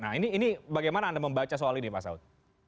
nah ini bagaimana anda membaca soal ini pak saud